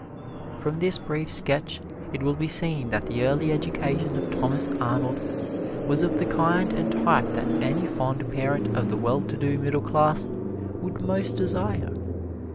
From this brief sketch it will be seen that the early education of Thomas Arnold was of the kind and type that any fond parent of the well to do Middle Class would most desire.